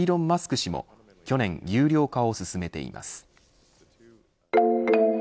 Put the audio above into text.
氏も去年有料化を進めています。